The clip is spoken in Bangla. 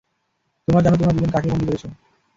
তোমরা জানো তোমরা দুজন কাকে বন্দি করেছ?